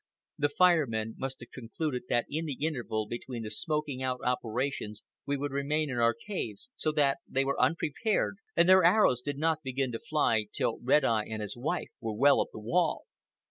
The Fire Men must have concluded that in the interval between the smoking out operations we would remain in our caves; so that they were unprepared, and their arrows did not begin to fly till Red Eye and his wife were well up the wall.